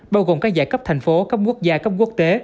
bao gồm các giải cấp thành phố các quốc gia các quốc tế